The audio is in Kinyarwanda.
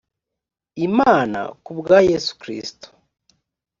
imana ku bwa yesu kristo